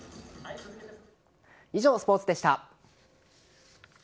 以上、スポーツでした。